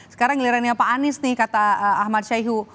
sekarang gilirannya pak anies nih kata ahmad syahihu